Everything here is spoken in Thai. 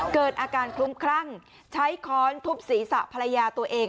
เกิดอาการคลุ้มคลั่งใช้ค้อนทุบศีรษะภรรยาตัวเอง